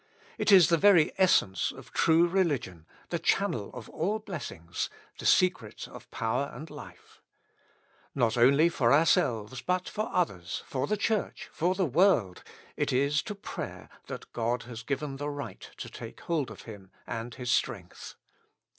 It is the very essence of true religion, the channel of all blessings, the secret of power and life. Not only for ourselves, but for others, for the Church, for the lo With Christ in the School of Prayer. world, it is to prayer that God has given the right to take hold of Him and His strength.